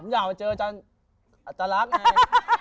ผมอยากมาเจอจันจันรักไง